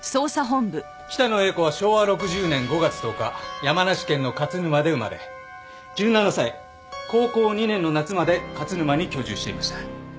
北野英子は昭和６０年５月１０日山梨県の勝沼で生まれ１７歳高校２年の夏まで勝沼に居住していました。